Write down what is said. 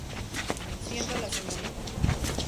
Siendo la Srta.